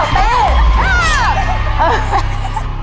ตัวเลือกที่สี่๑๐เส้น